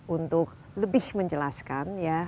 untuk lebih menjelaskan ya